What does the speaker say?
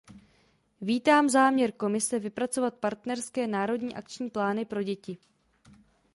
Vítám záměr Komise vypracovat partnerské národní akční plány pro děti.